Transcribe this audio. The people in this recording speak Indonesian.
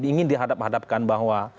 ingin dihadap hadapkan bahwa